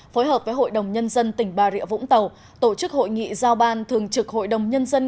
phối hợp với hội đồng nhân dân tỉnh bà rịa vũng tàu tổ chức hội nghị giao ban thường trực hội đồng nhân dân